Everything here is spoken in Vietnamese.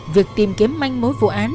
việc tìm kiếm manh mối vụ án